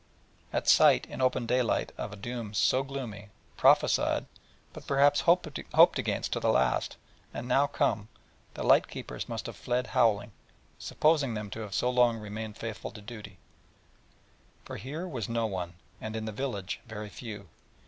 At sight in open daylight of a doom so gloomy prophesied, but perhaps hoped against to the last, and now come the light keepers must have fled howling, supposing them to have so long remained faithful to duty: for here was no one, and in the village very few.